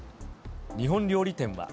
日本料理店は。